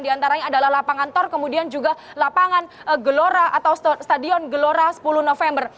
di antaranya adalah lapangan tor kemudian juga lapangan gelora atau stadion gelora sepuluh november